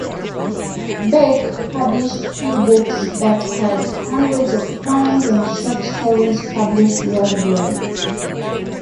Beck published few books but had hundreds of poems and short stories published worldwide.